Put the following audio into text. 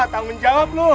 tanggung jawab lu